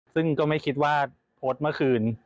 ซึ่งก็ไม่คิดว่าโพสต์เมื่อคืน